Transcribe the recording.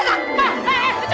kecukup mah mah mah mah